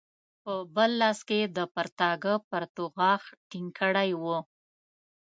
په بل لاس یې د پرتاګه پرتوګاښ ټینګ کړی وو.